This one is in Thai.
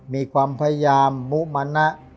มีความพยายามมุมนะ